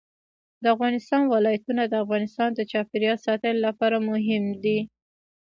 د افغانستان ولايتونه د افغانستان د چاپیریال ساتنې لپاره مهم دي.